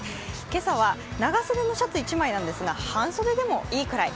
今朝は長袖のシャツ１枚なんですが半袖でもいいくらい。